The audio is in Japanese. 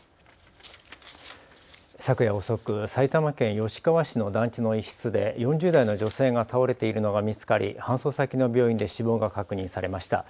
昨夜遅く、埼玉県吉川市の団地の一室で４０代の女性が倒れているのが見つかり搬送先の病院で死亡が確認されました。